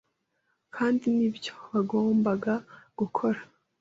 kandi ni byo bagombaga gukora.